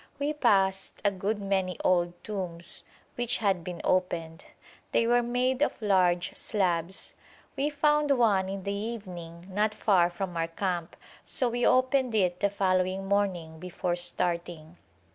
We passed a good many old tombs, which had been opened. They were made of large slabs. We found one in the evening not far from our camp, so we opened it the following morning before starting.